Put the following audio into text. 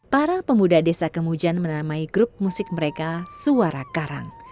para pemuda desa kemujan menamai grup musik mereka suara karang